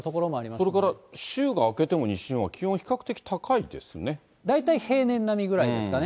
それから週が明けても西日本は気温、大体平年並みぐらいですかね。